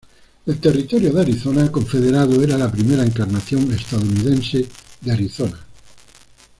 El Territorio de Arizona confederado era la primera encarnación estadounidense de Arizona.